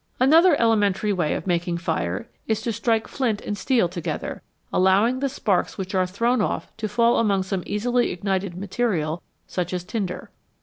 Another elementary way of making fire is to strike flint and steel together, allowing the sparks which are thrown off to fall among some easily ignited material such as tinder.